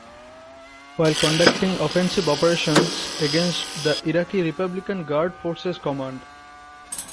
While conducting offensive operations against the Iraqi Republican Guard Forces Command.